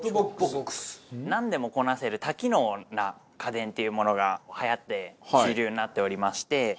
なんでもこなせる多機能な家電っていうのものがはやって主流になっておりまして。